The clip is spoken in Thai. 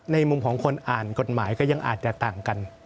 มุมของคนอ่านกฎหมายก็ยังอาจจะต่างกัน